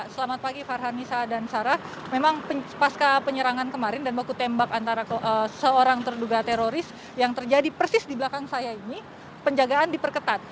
selamat pagi farhan nisa dan sarah memang pasca penyerangan kemarin dan baku tembak antara seorang terduga teroris yang terjadi persis di belakang saya ini penjagaan diperketat